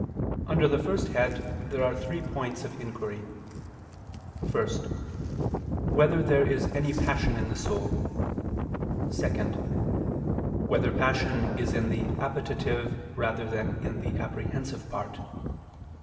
Under the first head there are three points of inquiry: (1) Whether there is any passion in the soul? (2) Whether passion is in the appetitive rather than in the apprehensive part?